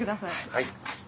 はい。